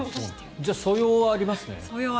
じゃあ素養はありますね。